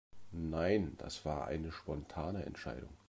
Nein, das war eine spontane Entscheidung.